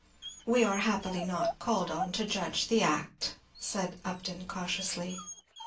"We are happily not called on to judge the act," said Upton, cautiously.